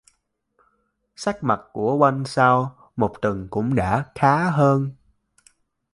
Sắc mặt của quân sau một tuần cũng đã khá hơn